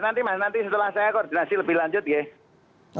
nanti setelah saya koordinasi lebih lanjut ya